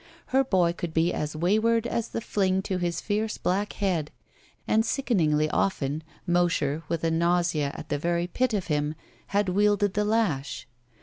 Her boy could be as wayward as the fling to his fierce black head, and sickeningly often Mosher, with a nausea at the very pit of him, had wielded the lash.